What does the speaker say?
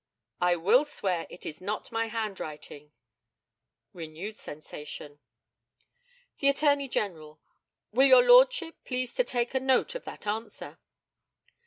I will swear it is not my handwriting [renewed sensation]. The ATTORNEY GENERAL: Will your lordship please to take a note of that answer?